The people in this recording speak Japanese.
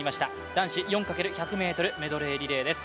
男子４×１００ｍメドレーリレーです。